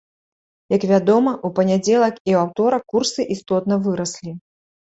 Як вядома, у панядзелак і аўторак курсы істотна выраслі.